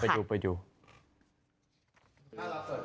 เพราะว่าถ้าไฟดับแล้วเนี่ย